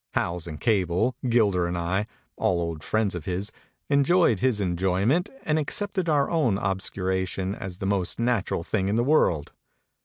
Howells and Cable, Gilder and I, all old friends of his, enjoyed his enjoyment and accepted our own obscuration as the most nat ural thing in the world.